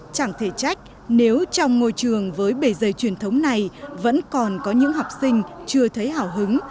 chẳng thể trách nếu trong ngôi trường với bề dây truyền thống này vẫn còn có những học sinh chưa thấy hào hứng